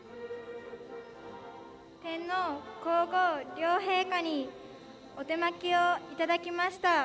天皇皇后両陛下にお手播きをいただきました。